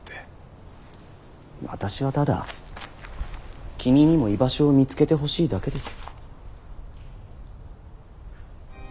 私はただ君にも居場所を見つけてほしいだけです。